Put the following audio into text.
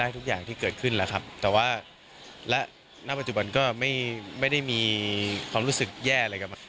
ทุกอย่างที่เกิดขึ้นแล้วครับแต่ว่าและณปัจจุบันก็ไม่ได้มีความรู้สึกแย่อะไรกับ